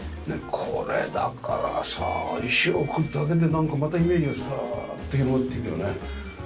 これだからさ石を置くだけでなんかまたイメージがスーッと広がっていくよね。